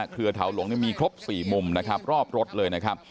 เครือเถาหลงมีครบ๔มุมรอบรถเลยนะครับ